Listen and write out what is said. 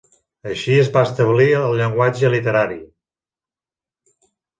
Així es va establir el llenguatge literari.